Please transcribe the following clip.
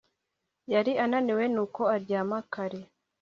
Yari ananiwe nuko aryama kare